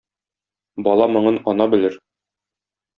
Бала моңын ана белер.